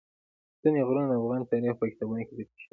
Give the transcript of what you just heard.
ستوني غرونه د افغان تاریخ په کتابونو کې ذکر شوی دي.